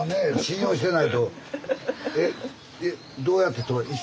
どうやって飛ぶ？